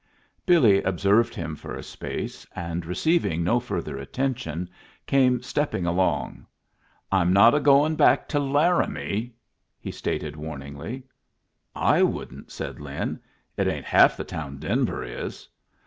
Billy observed him for a space, and, receiving no further attention, came stepping along. "I'm not a going back to Laramie," he stated, warningly. "I wouldn't," said Lin. "It ain't half the town Denver is.